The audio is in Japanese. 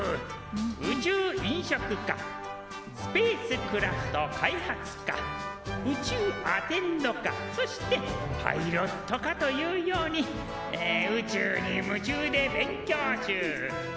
宇宙飲食科スペースクラフト開発科宇宙アテンド科そしてパイロット科というように宇宙に夢中で勉強中しょちゅう。